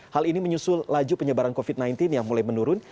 hal ini menyusul laju penyebaran covid sembilan belas yang mulai menurun